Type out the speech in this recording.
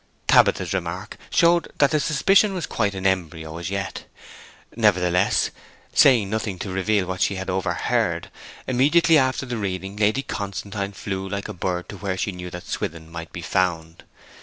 Tabitha's remark showed that the suspicion was quite in embryo as yet. Nevertheless, saying nothing to reveal what she had overheard, immediately after the reading Lady Constantine flew like a bird to where she knew that Swithin might be found.